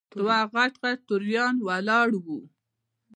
دوه غټ غټ توریان ولاړ وو.